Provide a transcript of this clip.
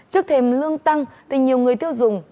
trước thêm lương tăng thì nhiều người tiêu dùng